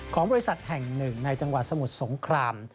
ของบริษัทแห่งหนึ่งในจังหวัดสมุทรสงคราม